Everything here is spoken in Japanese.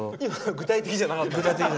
具体的じゃなかった。